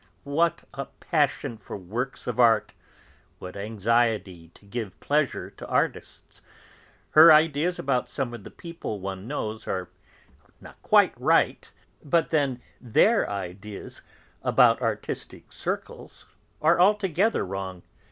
What a passion for works of art, what anxiety to give pleasure to artists! Her ideas about some of the people one knows are not quite right, but then their ideas about artistic circles are altogether wrong!